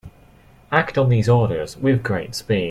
Act on these orders with great speed.